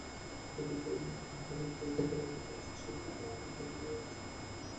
এ ক্ষেত্রে মুক্তাহারের যে বেদনাবোধ আছে, সে কথা সকলে ভুলিয়াছিল।